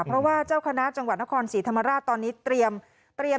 เพราะว่าเจ้าคณะจังหวัดนครศรีธรรมราชตอนนี้เตรียม